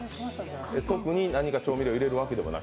特に何か調味料入れるわけでもなく。